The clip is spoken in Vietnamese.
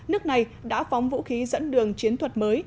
nước này đã phóng vũ khí dẫn đường chiến thuật mới